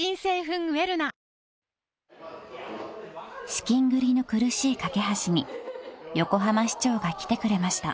［資金繰りの苦しいかけはしに横浜市長が来てくれました］